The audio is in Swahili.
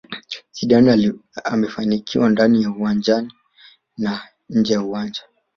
Zidane amefanikiwa ndani ya uwanjani na nje ya uwanja